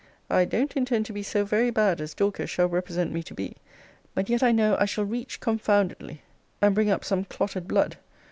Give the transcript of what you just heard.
I don't intend to be so very bad as Dorcas shall represent me to be. But yet I know I shall reach confoundedly, and bring up some clotted blood.